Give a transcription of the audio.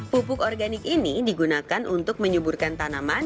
pupuk organik ini digunakan untuk menyuburkan tanaman